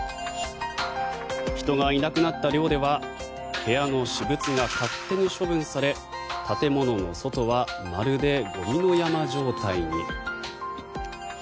人がいなくなった寮では部屋の私物が勝手に処分され建物の外はまるでゴミの山状態に。